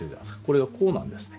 これをこうなんですね。